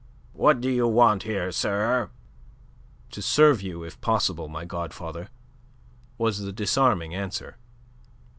"What do you want here, sir?" "To serve you if possible, my godfather," was the disarming answer.